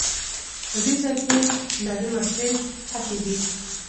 په دې ځای کې زړې وسلې ښخي دي.